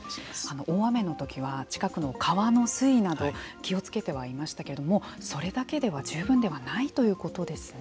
大雨のときは近くの川の水位など気をつけてはいましたけれどもそれだけでは十分ではないということですね。